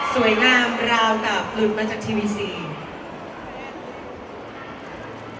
สวยงามราวตาพลุทธมาจากทีวีซี